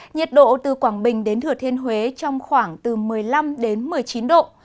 nhiệt độ từ quảng bình đến thừa thiên huế trong khoảng từ một mươi năm đến một mươi chín độ